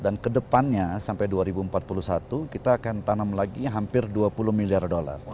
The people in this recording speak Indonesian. dan kedepannya sampai dua ribu empat puluh satu kita akan tanam lagi hampir dua puluh million dollars